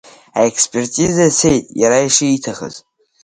Аекспертиза цеит иара ишиҭахыз.